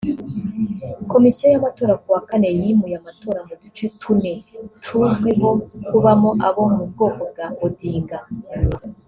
Komisiyo y’amatora kuwa Kane yimuye amatora mu duce tune tuzwiho kubamo abo mu bwoko bwa Odinga